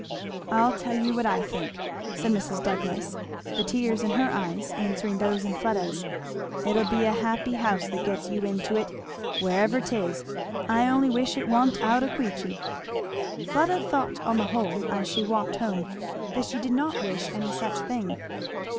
"I'll tell you what I think," said Mrs. Douglass, the tears in her eyes answering those in Fleda's. "It'll be a happy house that gets you into it, wherever 'tis! I only wish it wa'n't out o' Queechy." Fleda thought on the whole as she walked home that she did not wish any such thing.